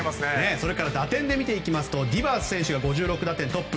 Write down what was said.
それから打点ですとディバース選手が５６打点でトップ。